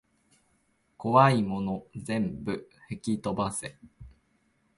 こわいもの全部ふきとばせ